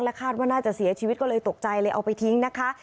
คาดว่าน่าจะเสียชีวิตก็เลยตกใจเลยเอาไปทิ้งนะคะ